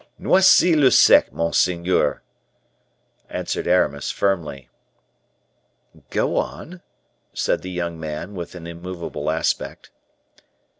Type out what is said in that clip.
"Noisy le Sec, monseigneur," answered Aramis, firmly. "Go on," said the young man, with an immovable aspect.